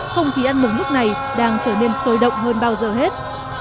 không khí ăn mừng lúc này đang trở nên sôi động hơn bao giờ hết